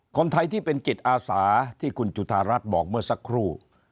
คนไทยที่เป็นจิตอาสาที่คุณจุธารัฐบอกเมื่อสักครู่